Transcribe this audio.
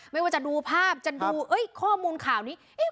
ไม่ว่าจะดูภาพจะดูเอ้ยข้อมูลข่าวนี้เอ๊ะ